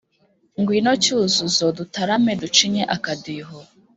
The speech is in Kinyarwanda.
Ngwino Cyuzuzo dutarame ducinye akadiho